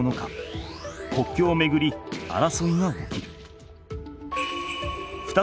国境をめぐり争いが起きる。